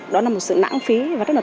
đó là một sự nãng phí và rất là tốn kém